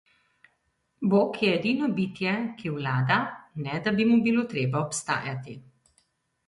Bog je edino bitje, ki vlada, ne da bi mu bilo treba obstajati.